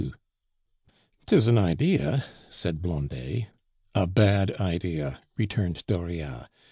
"'Tis an idea," said Blondet. "A bad idea," returned Dauriat.